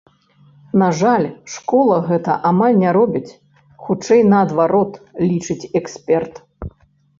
На жаль, школа гэта амаль не робіць, хутчэй, наадварот, лічыць эксперт.